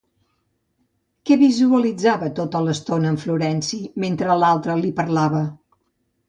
Què visualitzava tota l'estona en Florenci mentre l'altre li parlava?